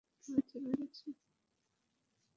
আমি থেমে গেছি।